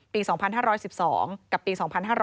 ปี๒๕๑๒กับปี๒๕๕๙